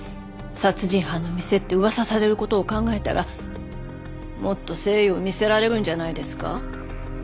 殺人犯の店って噂される事を考えたらもっと誠意を見せられるんじゃないですか？